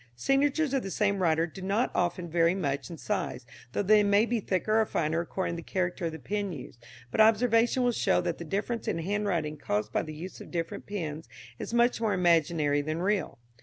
Signatures of the same writer do not often vary much in size, though they may be thicker or finer according to the character of the pen used; but observation will show that the difference in a handwriting caused by the use of different pens is much more imaginary than real.